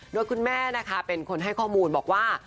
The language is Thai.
โดยคุณแม่นะคะเป็นคนให้ข้อมูลบอกว่า